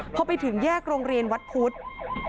พอไปถึงแยกโรงเรียนวัดพุทธ